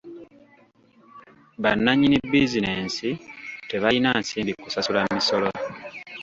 Ba nnannyini bizinesi tebayina nsimbi kusasula misolo.